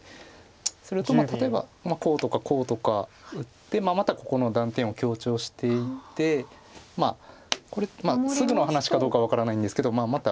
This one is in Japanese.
それと例えばこうとかこうとか打ってまたここの断点を強調していってまあこれすぐの話かどうかは分からないんですけどまた